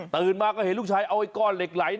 ตื่นมาก็เห็นลูกชายเอาอีกก้อนเหล็กไร้